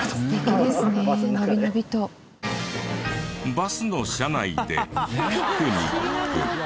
バスの車内でピクニック。